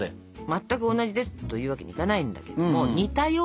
全く同じですというわけにいかないんだけども似たような感じ。